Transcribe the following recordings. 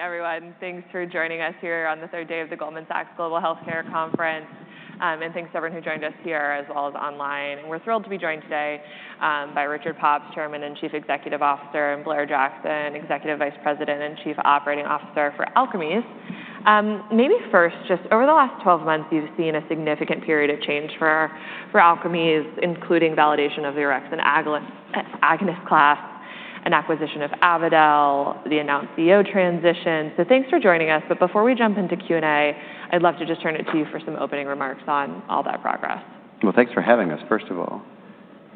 Good morning, everyone. Thanks for joining us here on the third day of the Goldman Sachs Global Healthcare Conference. Thanks to everyone who joined us here as well as online. We're thrilled to be joined today by Richard Pops, Chairman and Chief Executive Officer, and Blair Jackson, Executive Vice President and Chief Operating Officer for Alkermes. Maybe first, just over the last 12 months, you've seen a significant period of change for Alkermes, including validation of the orexin agonist class and acquisition of Avadel, the announced CEO transition. Thanks for joining us, but before we jump into Q&A, I'd love to just turn it to you for some opening remarks on all that progress. Well, thanks for having us, first of all,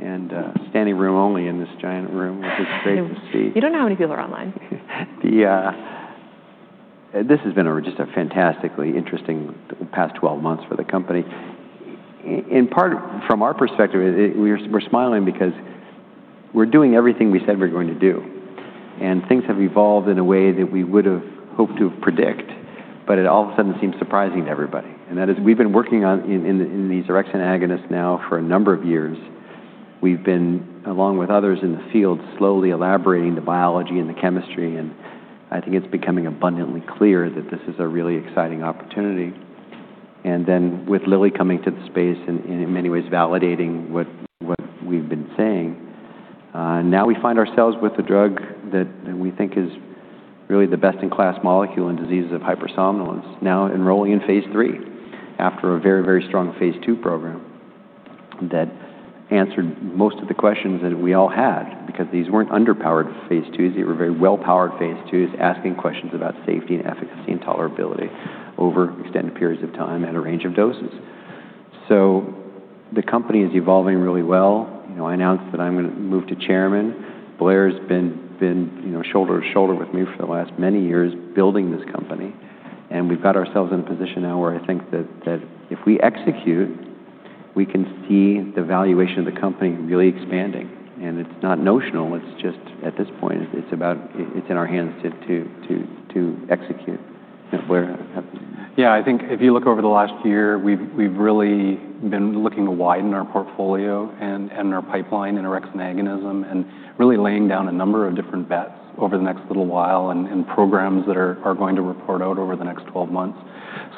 and standing room only in this giant room, which is great to see. You don't know how many people are online. Yeah. This has been just a fantastically interesting past 12 months for the company. In part, from our perspective, we're smiling because we're doing everything we said we were going to do, and things have evolved in a way that we would have hoped to have predict, but it all of a sudden seems surprising to everybody. That is, we've been working on these orexin agonists now for a number of years. We've been, along with others in the field, slowly elaborating the biology and the chemistry, and I think it's becoming abundantly clear that this is a really exciting opportunity. With Lilly coming to the space and in many ways validating what we've been saying, now we find ourselves with a drug that we think is really the best-in-class molecule in diseases of hypersomnolence, now enrolling in phase III after a very strong phase II program that answered most of the questions that we all had. Because these weren't underpowered phase IIs. They were very well-powered phase IIs, asking questions about safety and efficacy and tolerability over extended periods of time at a range of doses. The company is evolving really well. I announced that I'm going to move to Chairman. Blair's been shoulder to shoulder with me for the last many years building this company, and we've got ourselves in a position now where I think that if we execute, we can see the valuation of the company really expanding. It's not notional. At this point, it's in our hands to execute. Blair? Yeah, I think if you look over the last year, we've really been looking to widen our portfolio and our pipeline in orexin agonism and really laying down a number of different bets over the next little while and programs that are going to report out over the next 12 months.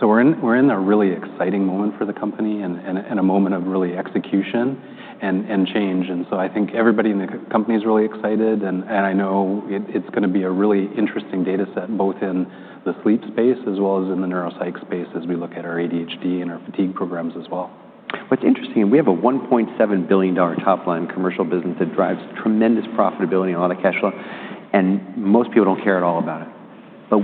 We're in a really exciting moment for the company and a moment of really execution and change. I think everybody in the company is really excited, and I know it's going to be a really interesting data set, both in the sleep space as well as in the neuropsych space as we look at our ADHD and our fatigue programs as well. What's interesting, we have a $1.7 billion top-line commercial business that drives tremendous profitability and a lot of cash flow, most people don't care at all about it.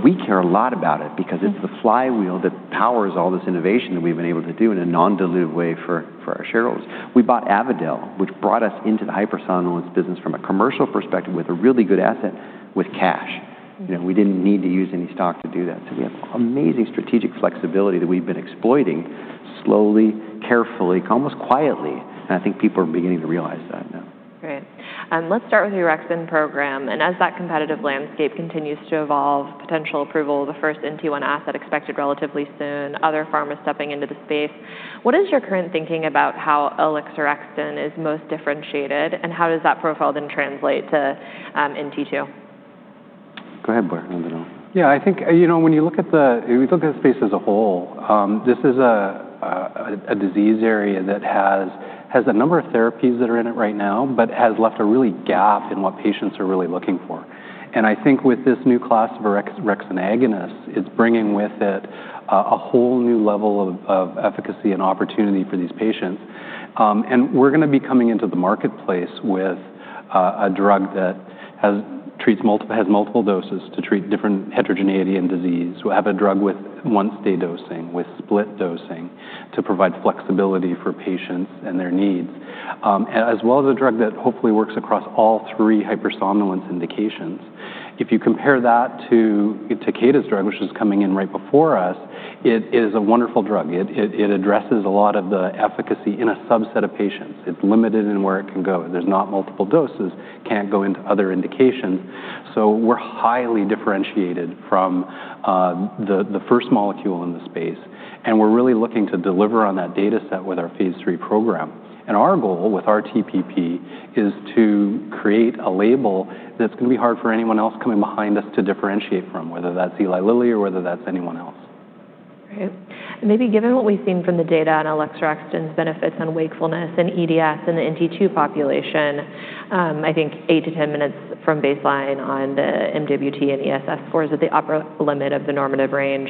We care a lot about it because it's the flywheel that powers all this innovation that we've been able to do in a non-dilutive way for our shareholders. We bought Avadel, which brought us into the hypersomnolence business from a commercial perspective with a really good asset with cash. We didn't need to use any stock to do that. We have amazing strategic flexibility that we've been exploiting slowly, carefully, almost quietly, and I think people are beginning to realize that now. Great. Let's start with the orexin program, and as that competitive landscape continues to evolve, potential approval of the first NT1 asset expected relatively soon, other pharmas stepping into the space. What is your current thinking about how alixorexton is most differentiated, and how does that profile then translate to NT2? Go ahead, Blair. Yeah, I think when you look at the space as a whole, this is a disease area that has a number of therapies that are in it right now but has left a really gap in what patients are really looking for. I think with this new class of orexin agonists, it's bringing with it a whole new level of efficacy and opportunity for these patients. We're going to be coming into the marketplace with a drug that has multiple doses to treat different heterogeneity and disease. We'll have a drug with once-day dosing, with split dosing to provide flexibility for patients and their needs, as well as a drug that hopefully works across all three hypersomnolence indications. If you compare that to Takeda's drug, which is coming in right before us, it is a wonderful drug. It addresses a lot of the efficacy in a subset of patients. It's limited in where it can go. There's not multiple doses, can't go into other indications. We're highly differentiated from the first molecule in the space, and we're really looking to deliver on that data set with our phase III program. Our goal with our TPP is to create a label that's going to be hard for anyone else coming behind us to differentiate from, whether that's Eli Lilly or whether that's anyone else. Great. Maybe given what we've seen from the data on alixorexton's benefits on wakefulness in EDS in the NT2 population, I think 8-10 minutes from baseline on the MWT and ESS scores at the upper limit of the normative range.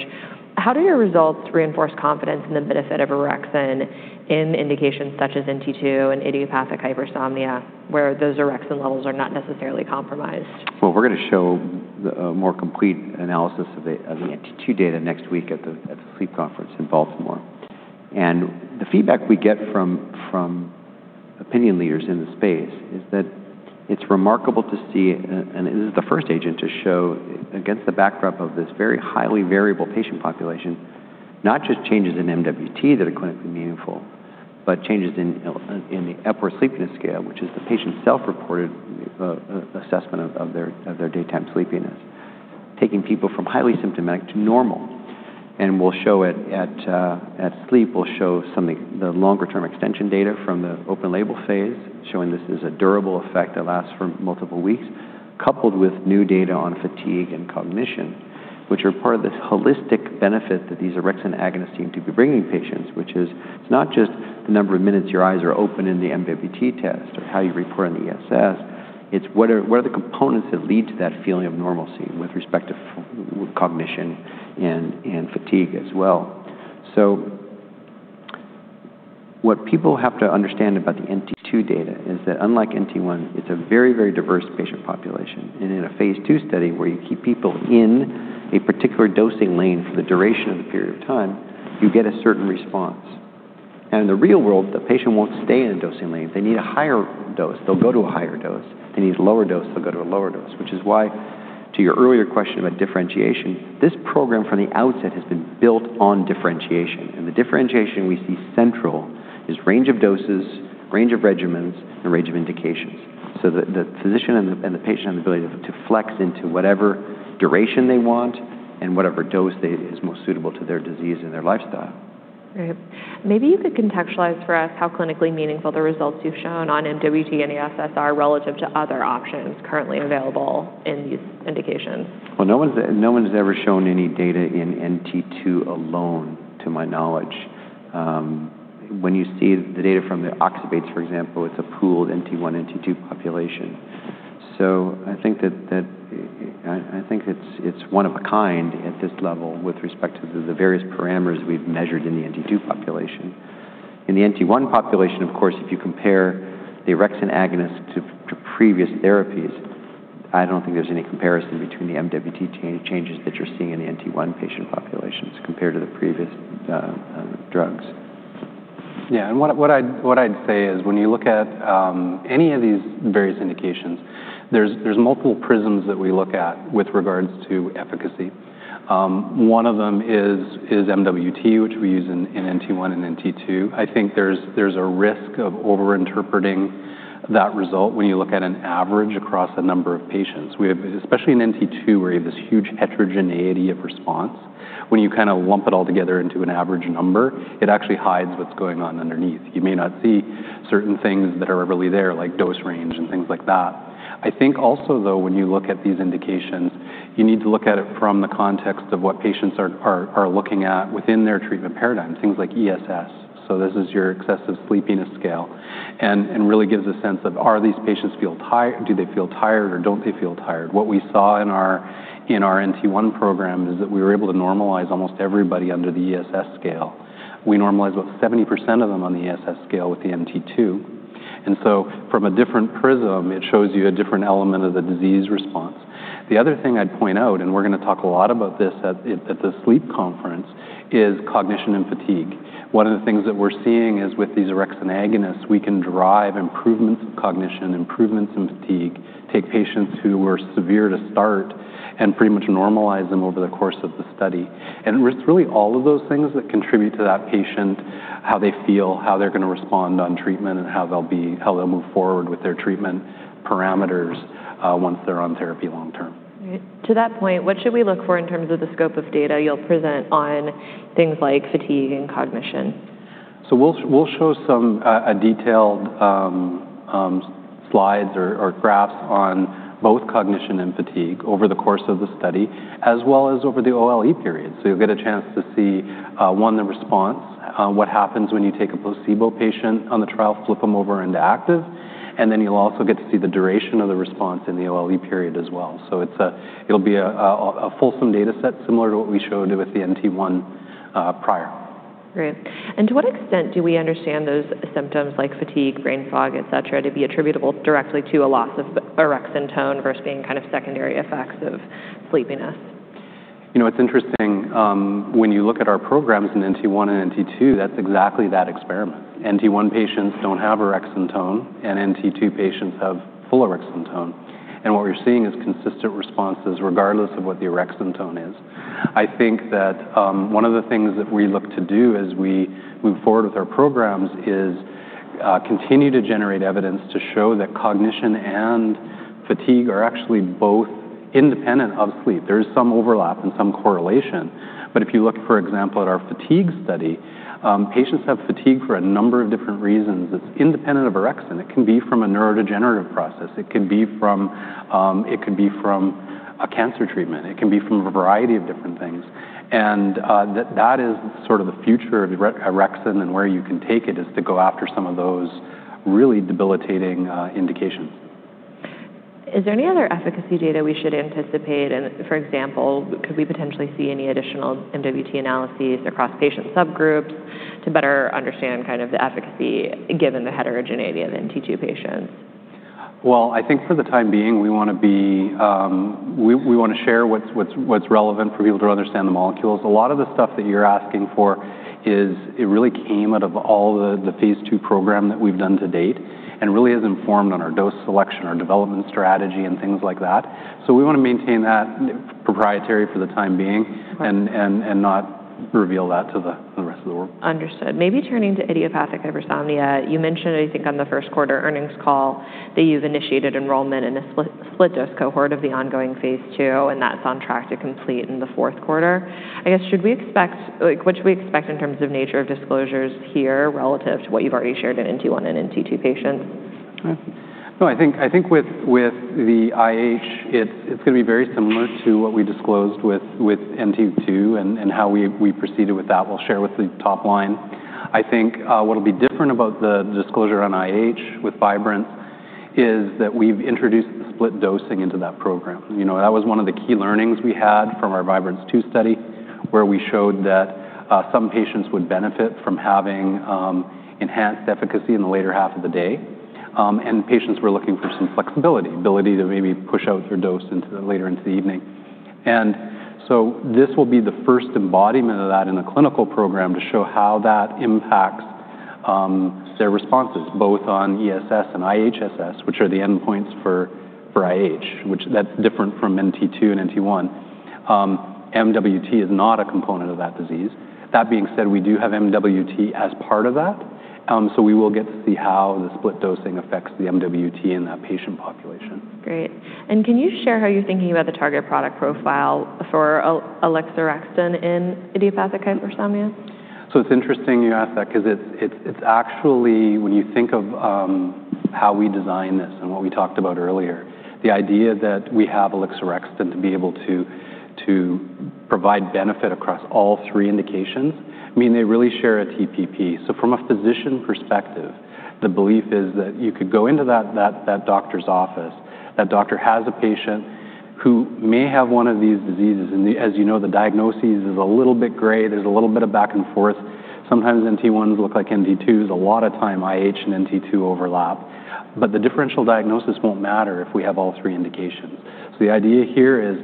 How do your results reinforce confidence in the benefit of orexin in indications such as NT2 and idiopathic hypersomnia, where those orexin levels are not necessarily compromised? We're going to show a more complete analysis of the NT2 data next week at the SLEEP conference in Baltimore. The feedback we get from opinion leaders in the space is that it's remarkable to see, this is the first agent to show against the backdrop of this very highly variable patient population, not just changes in MWT that are clinically meaningful, but changes in the Epworth Sleepiness Scale, which is the patient's self-reported assessment of their daytime sleepiness, taking people from highly symptomatic to normal. At SLEEP, we'll show the longer-term extension data from the open label phase, showing this is a durable effect that lasts for multiple weeks, coupled with new data on fatigue and cognition, which are part of this holistic benefit that these orexin agonists seem to be bringing patients. Which is, it's not just the number of minutes your eyes are open in the MWT test or how you report on the ESS. It's what are the components that lead to that feeling of normalcy with respect to cognition and fatigue as well. What people have to understand about the NT2 data is that unlike NT1, it's a very diverse patient population. In a phase II study where you keep people in a particular dosing lane for the duration of the period of time, you get a certain response. In the real world, the patient won't stay in a dosing lane. If they need a higher dose, they'll go to a higher dose. If they need a lower dose, they'll go to a lower dose. Which is why, to your earlier question about differentiation, this program from the outset has been built on differentiation. The differentiation we see central is range of doses, range of regimens, and range of indications. That the physician and the patient have the ability to flex into whatever duration they want and whatever dose that is most suitable to their disease and their lifestyle. Right. Maybe you could contextualize for us how clinically meaningful the results you've shown on MWT and ESS are relative to other options currently available in these indications. Well, no one's ever shown any data in NT2 alone, to my knowledge. When you see the data from the oxybates, for example, it's a pooled NT1, NT2 population. I think it's one of a kind at this level with respect to the various parameters we've measured in the NT2 population. In the NT1 population, of course, if you compare the orexin agonist to previous therapies, I don't think there's any comparison between the MWT changes that you're seeing in the NT1 patient populations compared to the previous drugs. Yeah. What I'd say is when you look at any of these various indications, there's multiple prisms that we look at with regards to efficacy. One of them is MWT, which we use in NT1 and NT2. I think there's a risk of over-interpreting that result when you look at an average across a number of patients. Especially in NT2, where you have this huge heterogeneity of response. When you lump it all together into an average number, it actually hides what's going on underneath. You may not see certain things that are really there, like dose range and things like that. I think also, though, when you look at these indications, you need to look at it from the context of what patients are looking at within their treatment paradigm, things like ESS. This is your Epworth Sleepiness Scale, and really gives a sense of do they feel tired or don't they feel tired? What we saw in our NT1 program is that we were able to normalize almost everybody under the ESS scale. We normalized about 70% of them on the ESS scale with the NT2. From a different prism, it shows you a different element of the disease response. The other thing I'd point out, and we're going to talk a lot about this at the SLEEP conference, is cognition and fatigue. One of the things that we're seeing is with these orexin agonists, we can drive improvements in cognition, improvements in fatigue, take patients who were severe to start and pretty much normalize them over the course of the study. It's really all of those things that contribute to that patient, how they feel, how they're going to respond on treatment, and how they'll move forward with their treatment parameters, once they're on therapy long term. Right. To that point, what should we look for in terms of the scope of data you'll present on things like fatigue and cognition? We'll show some detailed slides or graphs on both cognition and fatigue over the course of the study, as well as over the OLE period. You'll get a chance to see, one, the response. What happens when you take a placebo patient on the trial, flip them over into active, and then you'll also get to see the duration of the response in the OLE period as well. It'll be a fulsome data set similar to what we showed with the NT1 prior. Great. To what extent do we understand those symptoms like fatigue, brain fog, et cetera, to be attributable directly to a loss of orexin tone versus being kind of secondary effects of sleepiness? It's interesting. When you look at our programs in NT1 and NT2, that's exactly that experiment. NT1 patients don't have orexin tone, and NT2 patients have full orexin tone. What we're seeing is consistent responses regardless of what the orexin tone is. I think that one of the things that we look to do as we move forward with our programs is continue to generate evidence to show that cognition and fatigue are actually both independent of sleep. There is some overlap and some correlation. If you look, for example, at our fatigue study, patients have fatigue for a number of different reasons. It's independent of orexin. It can be from a neurodegenerative process. It can be from a cancer treatment. It can be from a variety of different things. That is sort of the future of orexin and where you can take it, is to go after some of those really debilitating indications. Is there any other efficacy data we should anticipate? For example, could we potentially see any additional MWT analyses across patient subgroups to better understand kind of the efficacy given the heterogeneity of NT2 patients? Well, I think for the time being, we want to share what's relevant for people to understand the molecules. A lot of the stuff that you're asking for is, it really came out of all the phase II program that we've done to date and really has informed on our dose selection, our development strategy, and things like that. We want to maintain that proprietary for the time being and not reveal that to the rest of the world. Understood. Maybe turning to idiopathic hypersomnia, you mentioned, I think, on the first quarter earnings call that you've initiated enrollment in a split-dose cohort of the ongoing phase II, and that's on track to complete in the fourth quarter. What should we expect in terms of nature of disclosures here relative to what you've already shared in NT1 and NT2 patients? I think with the IH, it's going to be very similar to what we disclosed with NT2 and how we proceeded with that. We'll share with the top line. I think what'll be different about the disclosure on IH with Vibrance is that we've introduced the split dosing into that program. That was one of the key learnings we had from our Vibrance-2 study, where we showed that some patients would benefit from having enhanced efficacy in the latter half of the day, and patients were looking for some flexibility, ability to maybe push out their dose later into the evening. This will be the first embodiment of that in the clinical program to show how that impacts their responses, both on ESS and IHSS, which are the endpoints for IH. That's different from NT2 and NT1. MWT is not a component of that disease. That being said, we do have MWT as part of that, so we will get to see how the split dosing affects the MWT in that patient population. Great. Can you share how you're thinking about the target product profile for alixorexton in idiopathic hypersomnia? It's interesting you ask that because when you think of how we design this and what we talked about earlier, the idea that we have alixorexton to be able to provide benefit across all three indications, they really share a TPP. From a physician perspective, the belief is that you could go into that doctor's office, that doctor has a patient who may have one of these diseases, and as you know, the diagnosis is a little bit gray. There's a little bit of back and forth. Sometimes NT1s look like NT2s. A lot of time IH and NT2 overlap. The differential diagnosis won't matter if we have all three indications. The idea here is,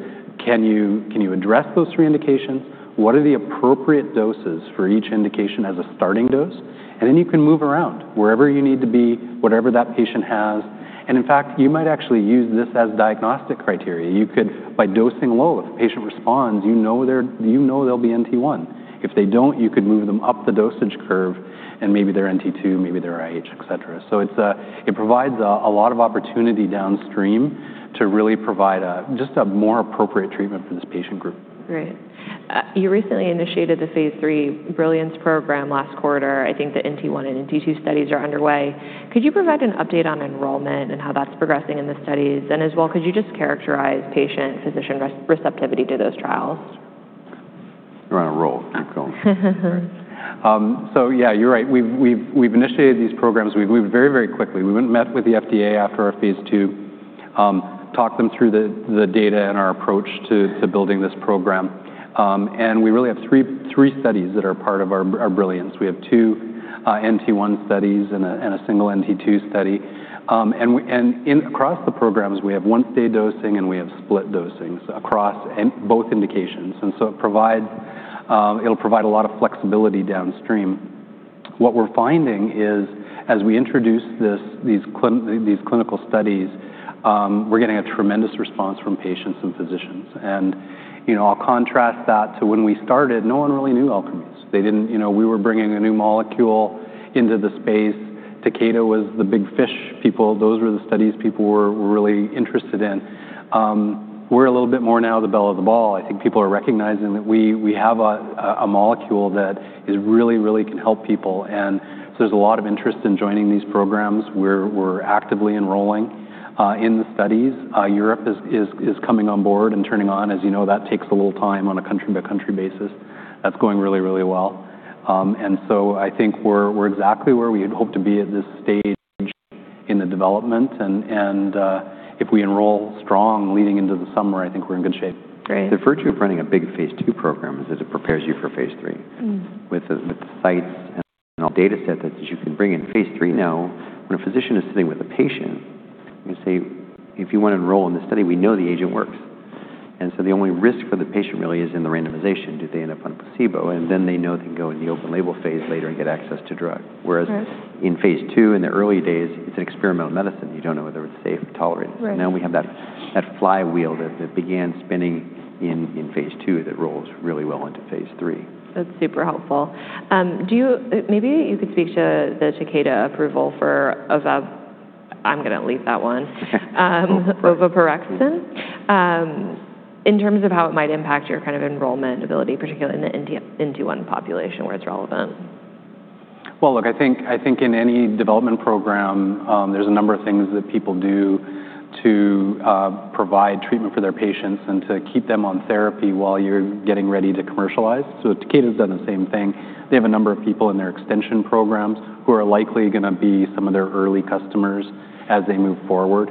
can you address those three indications? What are the appropriate doses for each indication as a starting dose? You can move around wherever you need to be, whatever that patient has. In fact, you might actually use this as diagnostic criteria. You could by dosing low, if the patient responds, you know they'll be NT1. If they don't, you could move them up the dosage curve, and maybe they're NT2, maybe they're IH, et cetera. It provides a lot of opportunity downstream to really provide just a more appropriate treatment for this patient group. Great. You recently initiated the phase III Brilliance program last quarter. I think the NT1 and NT2 studies are underway. Could you provide an update on enrollment and how that's progressing in the studies? As well, could you just characterize patient physician receptivity to those trials? You're on a roll. Keep going. Yeah, you're right. We've initiated these programs. We've moved very quickly. We went and met with the FDA after our phase II, talked them through the data and our approach to building this program. We really have three studies that are part of our Brilliance. We have two NT1 studies and a single NT2 study. Across the programs, we have one-day dosing, and we have split dosing. Across both indications, it'll provide a lot of flexibility downstream. What we're finding is as we introduce these clinical studies, we're getting a tremendous response from patients and physicians. I'll contrast that to when we started, no one really knew Alkermes. We were bringing a new molecule into the space. Takeda was the big fish people. Those were the studies people were really interested in. We're a little bit more now the belle of the ball. I think people are recognizing that we have a molecule that really can help people, so there's a lot of interest in joining these programs. We're actively enrolling in the studies. Europe is coming on board and turning on. As you know, that takes a little time on a country-by-country basis. That's going really well. I think we're exactly where we had hoped to be at this stage in the development, and if we enroll strong leading into the summer, I think we're in good shape. Great. The virtue of running a big phase II program is that it prepares you for phase III. With the sites and all data set that you can bring in phase III now, when a physician is sitting with a patient, you can say, "If you want to enroll in this study, we know the agent works." The only risk for the patient really is in the randomization. Do they end up on a placebo? They know they can go in the open-label phase later and get access to drug. Whereas in phase II, in the early days, it's an experimental medicine. You don't know whether it's safe or tolerant. Right. Now we have that flywheel that began spinning in phase II that rolls really well into phase III. That's super helpful. Maybe you could speak to the Takeda approval for, I'm going to leave that one. Oveporexton, in terms of how it might impact your kind of enrollment ability, particularly in the NT1 population where it's relevant. Well, look, I think in any development program, there's a number of things that people do to provide treatment for their patients and to keep them on therapy while you're getting ready to commercialize. Takeda's done the same thing. They have a number of people in their extension programs who are likely going to be some of their early customers as they move forward.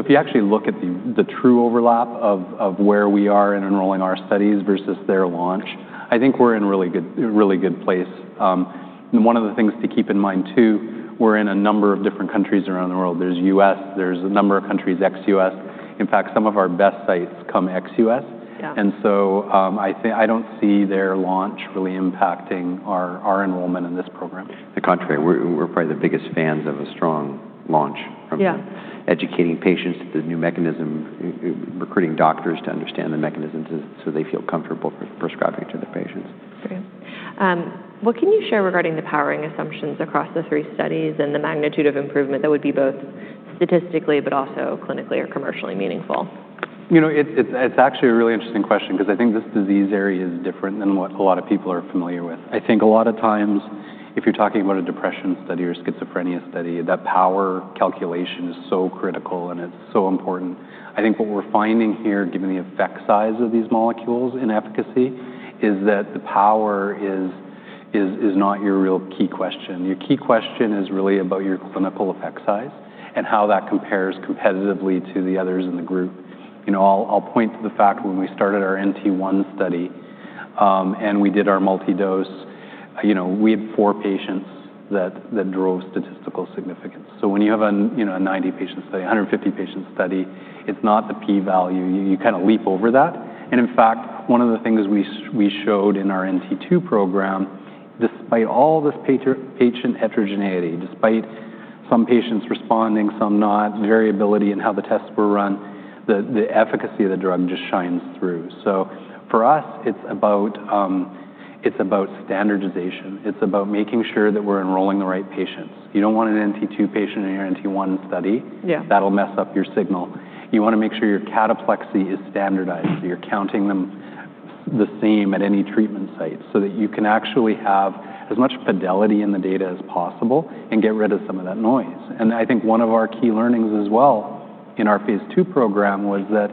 If you actually look at the true overlap of where we are in enrolling our studies versus their launch, I think we're in a really good place. One of the things to keep in mind, too, we're in a number of different countries around the world. There's U.S., there's a number of countries ex-U.S. In fact, some of our best sites come ex-U.S. Yeah. I don't see their launch really impacting our enrollment in this program. The contrary, we're probably the biggest fans of a strong launch from... Yeah... Educating patients to the new mechanism, recruiting doctors to understand the mechanism so they feel comfortable prescribing to the patients. Great. What can you share regarding the powering assumptions across the three studies and the magnitude of improvement that would be both statistically but also clinically or commercially meaningful? It's actually a really interesting question because I think this disease area is different than what a lot of people are familiar with. I think a lot of times, if you're talking about a depression study or schizophrenia study, that power calculation is so critical, and it's so important. I think what we're finding here, given the effect size of these molecules in efficacy, is that the power is not your real key question. Your key question is really about your clinical effect size and how that compares competitively to the others in the group. I'll point to the fact when we started our NT1 study, and we did our multi-dose, we had four patients that drove statistical significance. When you have a 90-patient study, 150-patient study, it's not the P value. You kind of leap over that. In fact, one of the things we showed in our NT2 program, despite all this patient heterogeneity, despite some patients responding, some not, variability in how the tests were run, the efficacy of the drug just shines through. For us, it's about standardization. It's about making sure that we're enrolling the right patients. You don't want an NT2 patient in your NT1 study. Yeah. That'll mess up your signal. You want to make sure your cataplexy is standardized, so you're counting them the same at any treatment site so that you can actually have as much fidelity in the data as possible and get rid of some of that noise. I think one of our key learnings as well in our Phase II program was that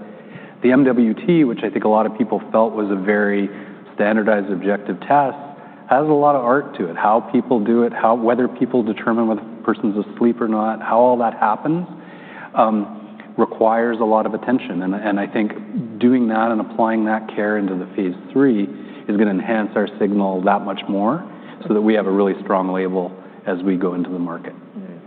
the MWT, which I think a lot of people felt was a very standardized objective test, has a lot of art to it, how people do it, whether people determine whether the person's asleep or not, how all that happens, requires a lot of attention. I think doing that and applying that care into the Phase III is going to enhance our signal that much more so that we have a really strong label as we go into the market.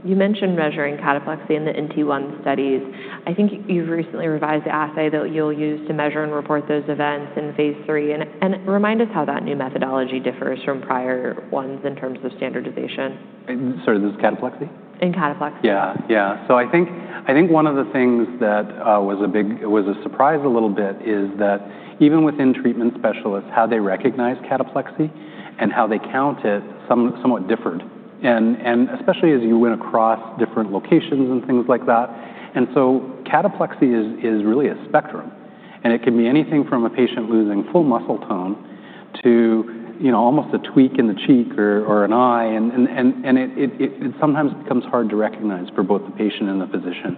You mentioned measuring cataplexy in the NT1 studies. I think you've recently revised the assay that you'll use to measure and report those events in Phase III. Remind us how that new methodology differs from prior ones in terms of standardization. Sorry, this is cataplexy? In cataplexy. Yeah. I think one of the things that was a surprise a little bit is that even within treatment specialists, how they recognize cataplexy and how they count it somewhat differed, especially as you went across different locations and things like that. Cataplexy is really a spectrum, and it can be anything from a patient losing full muscle tone to almost a tweak in the cheek or an eye, and it sometimes becomes hard to recognize for both the patient and the physician.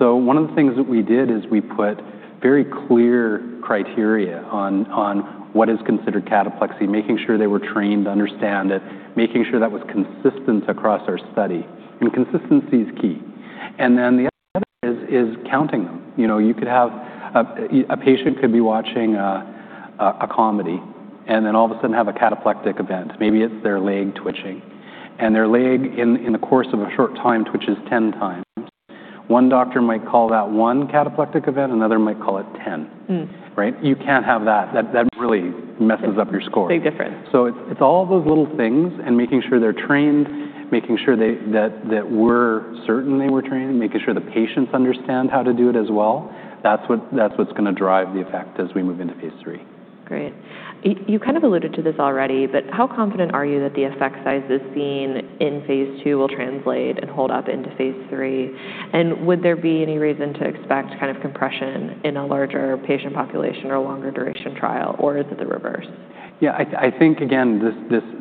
One of the things that we did is we put very clear criteria on what is considered cataplexy, making sure they were trained to understand it, making sure that was consistent across our study. Consistency is key. The other is counting them. A patient could be watching a comedy and then all of a sudden have a cataplectic event. Maybe it's their leg twitching, and their leg, in the course of a short time, twitches 10 times. One doctor might call that one cataplectic event. Another might call it 10. Right? You can't have that. That really messes up your score. Big difference. It's all those little things and making sure they're trained, making sure that we're certain they were trained, making sure the patients understand how to do it as well. That's what's going to drive the effect as we move into phase III. Great. You kind of alluded to this already, how confident are you that the effect sizes seen in phase II will translate and hold up into phase III? Would there be any reason to expect compression in a larger patient population or a longer duration trial, or is it the reverse? Yeah. I think, again,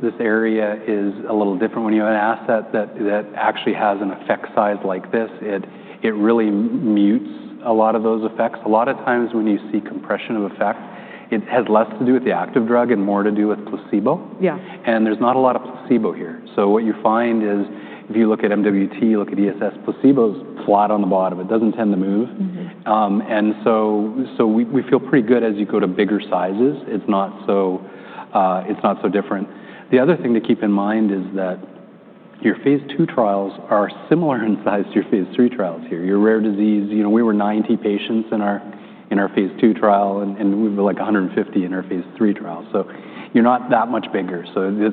this area is a little different when you have an asset that actually has an effect size like this. It really mutes a lot of those effects. A lot of times when you see compression of effect, it has less to do with the active drug and more to do with placebo. Yeah. There's not a lot of placebo here. What you find is, if you look at MWT, look at ESS, placebo's flat on the bottom. It doesn't tend to move. We feel pretty good as you go to bigger sizes. It's not so different. The other thing to keep in mind is that your phase II trials are similar in size to your phase III trials here. You're a rare disease. We were 90 patients in our phase II trial, and we were like 150 in our phase III trial. You're not that much bigger.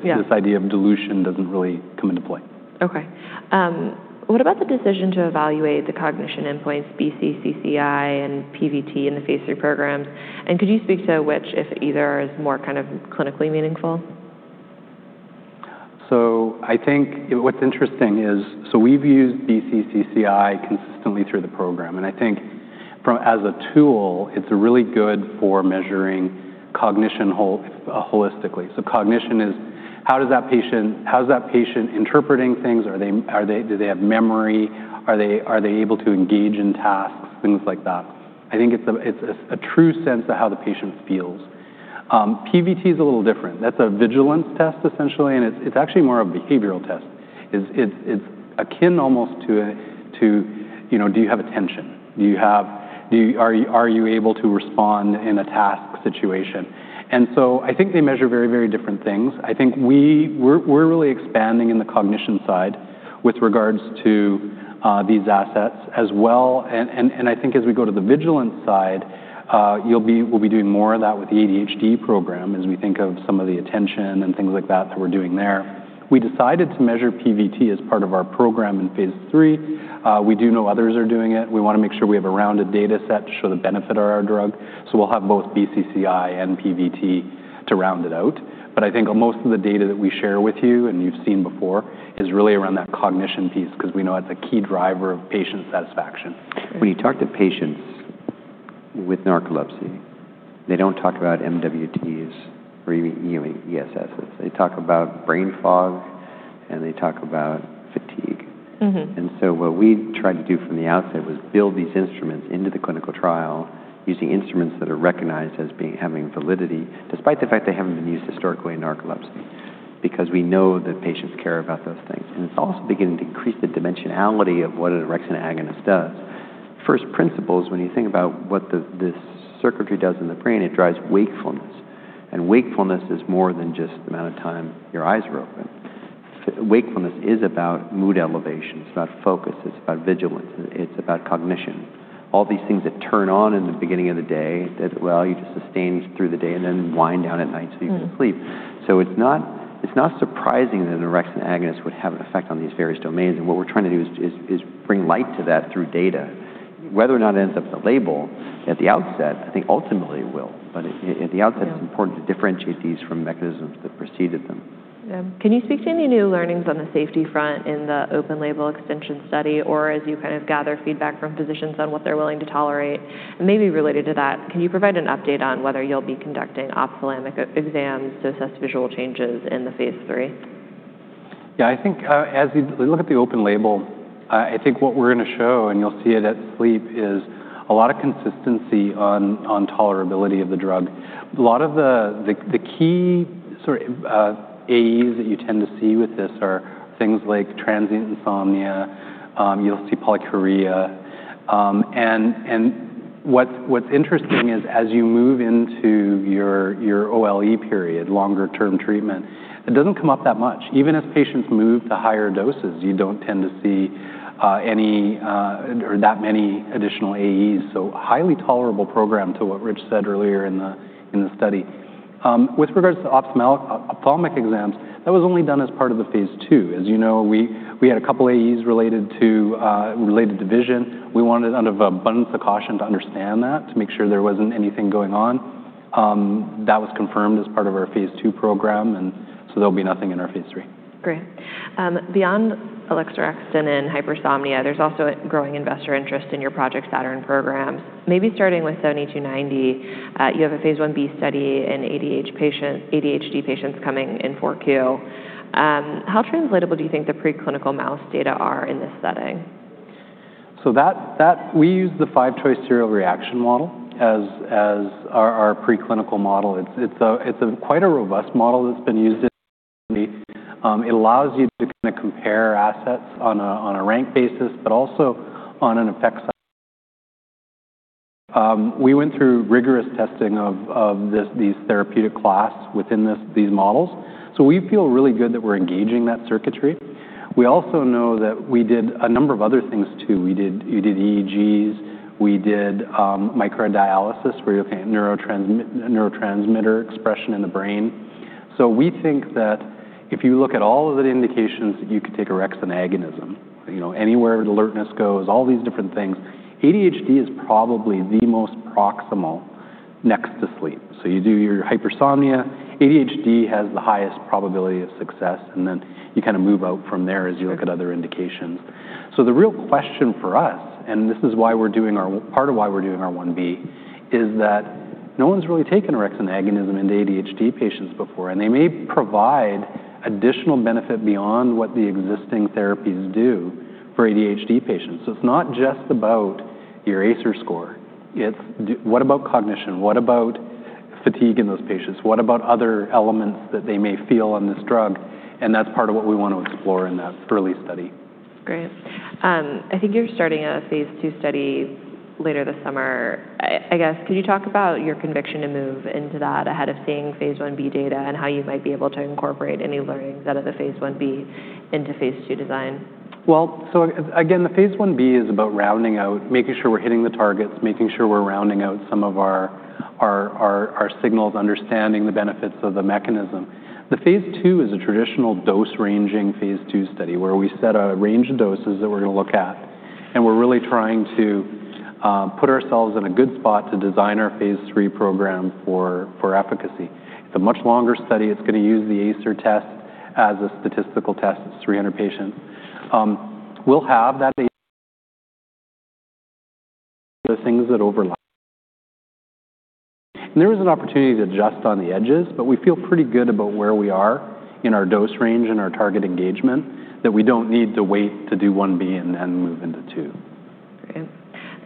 Yeah This idea of dilution doesn't really come into play. What about the decision to evaluate the cognition endpoints BC-CCI and PVT in the phase III programs? Could you speak to which, if either, is more kind of clinically meaningful? I think what's interesting is, we've used BC-CCI consistently through the program, and I think as a tool, it's really good for measuring cognition holistically. Cognition is how is that patient interpreting things? Do they have memory? Are they able to engage in tasks? Things like that. I think it's a true sense of how the patient feels. PVT is a little different. That's a vigilance test, essentially, and it's actually more of a behavioral test. It's akin almost to do you have attention? Are you able to respond in a task situation? I think they measure very different things. I think we're really expanding in the cognition side with regards to these assets as well. I think as we go to the vigilance side, we'll be doing more of that with the ADHD program as we think of some of the attention and things like that we're doing there. We decided to measure PVT as part of our program in phase III. We do know others are doing it. We want to make sure we have a rounded data set to show the benefit of our drug. We'll have both BCCI and PVT to round it out. I think most of the data that we share with you and you've seen before is really around that cognition piece, because we know that's a key driver of patient satisfaction. When you talk to patients with narcolepsy, they don't talk about MWTs or even ESSs. They talk about brain fog, and they talk about fatigue. What we tried to do from the outset was build these instruments into the clinical trial using instruments that are recognized as having validity, despite the fact they haven't been used historically in narcolepsy, because we know that patients care about those things. It's also beginning to increase the dimensionality of what an orexin agonist does. First principle is when you think about what this circuitry does in the brain, it drives wakefulness. Wakefulness is more than just the amount of time your eyes are open. Wakefulness is about mood elevation. It's about focus. It's about vigilance. It's about cognition. All these things that turn on in the beginning of the day, that, well, you just sustain through the day and then wind down at night so you can sleep. It's not surprising that an orexin agonist would have an effect on these various domains, and what we're trying to do is bring light to that through data. Whether or not it ends up in the label at the outset, I think ultimately it will. Yeah It's important to differentiate these from mechanisms that preceded them. Yeah. Can you speak to any new learnings on the safety front in the open label extension study, or as you kind of gather feedback from physicians on what they're willing to tolerate? Maybe related to that, can you provide an update on whether you'll be conducting ophthalmic exams to assess visual changes in the phase III? Yeah, as we look at the open label, I think what we're going to show, and you'll see it at SLEEP, is a lot of consistency on tolerability of the drug. A lot of the key sort of AEs that you tend to see with this are things like transient insomnia. You'll see polyuria. What's interesting is as you move into your OLE period, longer term treatment, it doesn't come up that much. Even as patients move to higher doses, you don't tend to see that many additional AEs. Highly tolerable program, to what Rich said earlier in the study. With regards to ophthalmic exams, that was only done as part of the phase II. As you know, we had a couple AEs related to vision. We wanted out of abundance of caution to understand that, to make sure there wasn't anything going on. That was confirmed as part of our phase II program, there'll be nothing in our phase III. Great. Beyond alixorexton and hypersomnia, there's also a growing investor interest in your Project Saturn programs. Maybe starting with ALKS 7290, you have a phase I-B study in ADHD patients coming in 4Q. How translatable do you think the preclinical mouse data are in this setting? We use the five-choice serial reaction model as our preclinical model. It's quite a robust model that's been used in the community. It allows you to kind of compare assets on a rank basis, but also on an effect size. We went through rigorous testing of these therapeutic class within these models. We feel really good that we're engaging that circuitry. We also know that we did a number of other things, too. We did EEGs. We did microdialysis, neurotransmitter expression in the brain. We think that if you look at all of the indications that you could take orexin agonism, anywhere alertness goes, all these different things, ADHD is probably the most proximal next to sleep. You do your hypersomnia. ADHD has the highest probability of success, and then you kind of move out from there as you look at other indications. The real question for us, and this is part of why we're doing our I-B, is that no one's really taken orexin agonism into ADHD patients before, and they may provide additional benefit beyond what the existing therapies do for ADHD patients. It's not just about your ACE-R score. What about cognition? What about fatigue in those patients? What about other elements that they may feel on this drug? That's part of what we want to explore in that early study. Great. I think you're starting a phase II study later this summer. I guess, could you talk about your conviction to move into that ahead of seeing phase I-B data, how you might be able to incorporate any learnings out of the phase I-B into phase II design? The phase I-B is about rounding out, making sure we are hitting the targets, making sure we are rounding out some of our signals, understanding the benefits of the mechanism. The phase II is a traditional dose ranging phase II study, where we set a range of doses that we are going to look at, and we are really trying to put ourselves in a good spot to design our phase III program for efficacy. It is a much longer study. It is going to use the ACE-R test as a statistical test. It is 300 patients. We will have that AE. The things that overlap. There is an opportunity to adjust on the edges, but we feel pretty good about where we are in our dose range and our target engagement that we do not need to wait to do phase I-B and then move into phase II.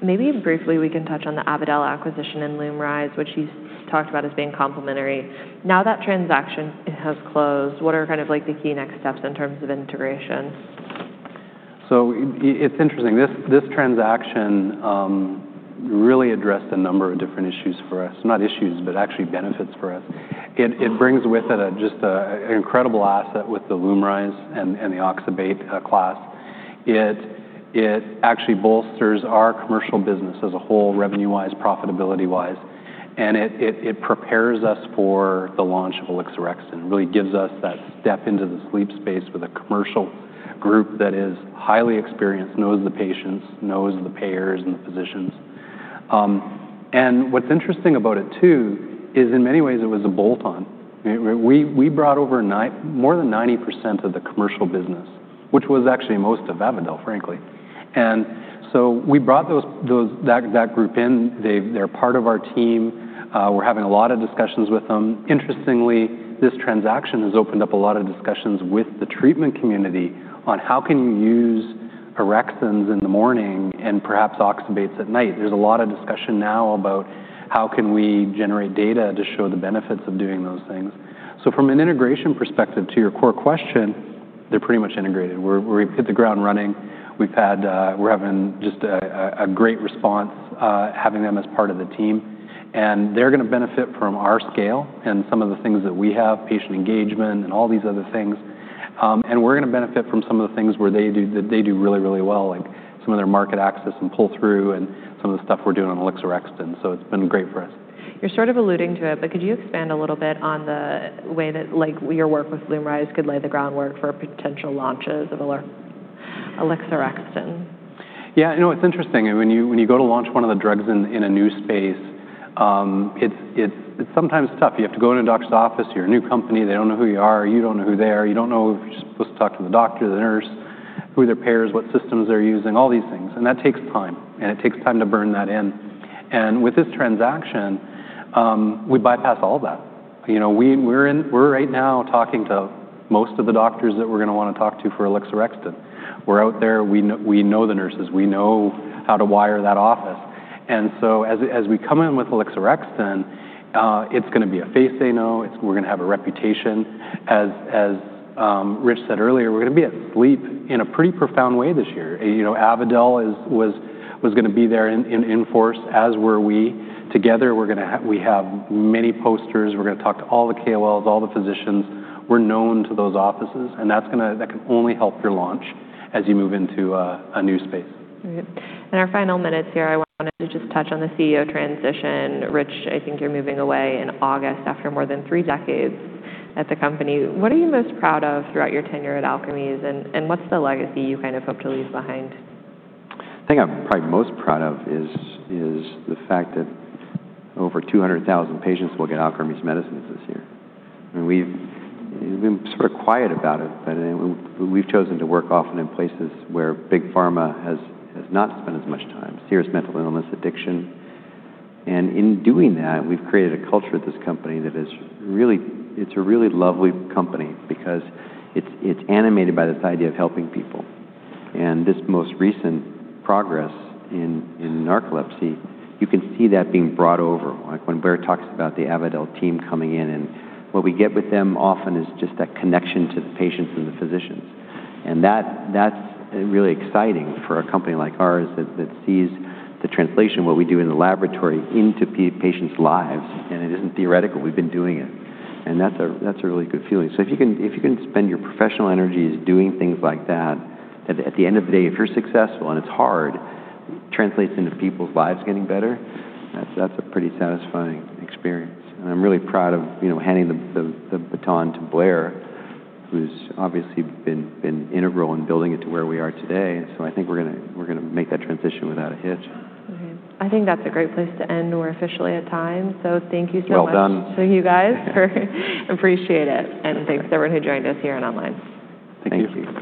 Great. Briefly we can touch on the Avadel acquisition and LUMRYZ, which you talked about as being complementary. That transaction has closed, what are kind of the key next steps in terms of integration? It is interesting. This transaction really addressed a number of different issues for us. Not issues, but actually benefits for us. It brings with it just an incredible asset with the LUMRYZ and the oxybate class. It actually bolsters our commercial business as a whole, revenue-wise, profitability-wise, and it prepares us for the launch of alixorexton. It really gives us that step into the sleep space with a commercial group that is highly experienced, knows the patients, knows the payers and the physicians. What is interesting about it too is in many ways it was a bolt-on. We brought over more than 90% of the commercial business, which was actually most of Avadel, frankly. We brought that group in. They are part of our team. We are having a lot of discussions with them. Interestingly, this transaction has opened up a lot of discussions with the treatment community on how can you use orexins in the morning and perhaps oxybates at night. There is a lot of discussion now about how can we generate data to show the benefits of doing those things. From an integration perspective to your core question, they are pretty much integrated. We have hit the ground running. We are having just a great response having them as part of the team, and they are going to benefit from our scale and some of the things that we have, patient engagement and all these other things. We are going to benefit from some of the things that they do really well, like some of their market access and pull through and some of the stuff we are doing on alixorexton. It has been great for us. You're sort of alluding to it, but could you expand a little bit on the way that your work with LUMRYZ could lay the groundwork for potential launches of alixorexton? Yeah. It's interesting. When you go to launch one of the drugs in a new space, it's sometimes tough. You have to go in a doctor's office, you're a new company, they don't know who you are, you don't know who they are. You don't know if you're supposed to talk to the doctor, the nurse, who their payer is, what systems they're using, all these things, and that takes time, and it takes time to burn that in. With this transaction, we bypass all that. We're right now talking to most of the doctors that we're going to want to talk to for alixorexton. We're out there. We know the nurses. We know how to wire that office. As we come in with alixorexton, it's going to be a face they know. We're going to have a reputation. As Rich said earlier, we're going to be at SLEEP in a pretty profound way this year. Avadel was going to be there in force, as were we. Together, we have many posters. We're going to talk to all the KOLs, all the physicians. We're known to those offices, that can only help your launch as you move into a new space. Right. In our final minutes here, I wanted to just touch on the CEO transition. Rich, I think you're moving away in August after more than three decades at the company. What are you most proud of throughout your tenure at Alkermes, what's the legacy you kind of hope to leave behind? The thing I'm probably most proud of is the fact that over 200,000 patients will get Alkermes medicines this year. We've been sort of quiet about it, but we've chosen to work often in places where Big Pharma has not spent as much time, serious mental illness, addiction. In doing that, we've created a culture at this company that is a really lovely company because it's animated by this idea of helping people. This most recent progress in narcolepsy, you can see that being brought over, like when Blair talks about the Avadel team coming in, and what we get with them often is just that connection to the patients and the physicians. That's really exciting for a company like ours that sees the translation of what we do in the laboratory into patients' lives, and it isn't theoretical. We've been doing it, and that's a really good feeling. If you can spend your professional energies doing things like that, at the end of the day, if you're successful and it's hard, it translates into people's lives getting better. That's a pretty satisfying experience, and I'm really proud of handing the baton to Blair, who's obviously been integral in building it to where we are today. I think we're going to make that transition without a hitch. Okay. I think that's a great place to end. We're officially at time, thank you so much. Well done. To you guys. Appreciate it. Thanks to everyone who joined us here and online. Thank you.